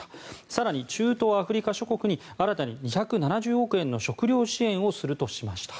更に、中東・アフリカ諸国に新たに２７０億円の食糧支援をするとしました。